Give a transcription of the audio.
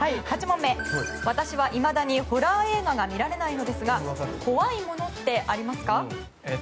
８問目私はいまだにホラー映画が見られないのですが怖いものってありますか？